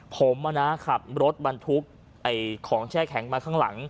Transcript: ผมขับรถบรรทุกของแช่แข็งมาข้างหลัง